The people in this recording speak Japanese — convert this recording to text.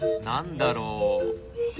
何だろう？